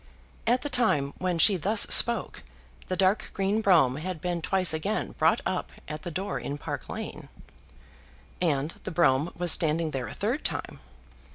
At the time when she thus spoke, the dark green brougham had been twice again brought up at the door in Park Lane. And the brougham was standing there a third time.